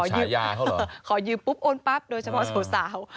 โดยสาวเฉพาะโน็ตสาว